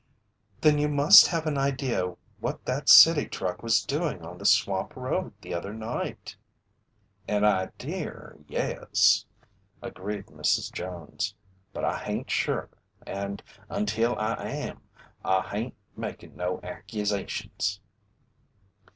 "Then you must have an idea what that city truck was doing on the swamp road the other night." "An idear yes," agreed Mrs. Jones. "But I hain't sure, and until I am, I hain't makin' no accusations."